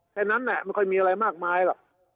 แค่นั้นแหละมันค่อยมีอะไรมากมายแหละ